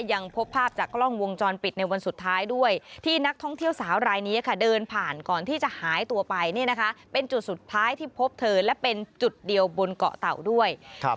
ยังพบภาพจากกล้องวงจรปิดในวันสุดท้ายด้วย